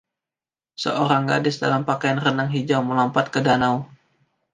Seorang gadis dalam pakaian renang hijau melompat ke danau.